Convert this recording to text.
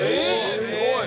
すごい！